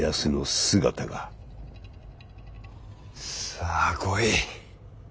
さあ来い。